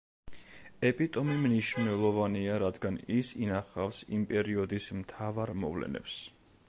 ეპიტომი მნიშვნელოვანია რადგან ის ინახავს იმ პერიოდის მთავარ მოვლენებს.